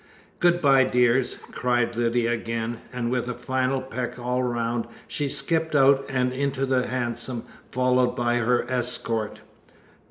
"Good bye, dears," cried Lydia again, and with a final peck all round she skipped out and into the hansom, followed by her escort.